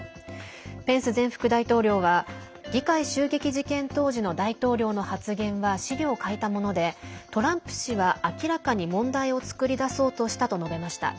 ペンス前副大統領は議会襲撃事件当時の大統領の発言は思慮を欠いたものでトランプ氏は、明らかに問題を作り出そうとしたと述べました。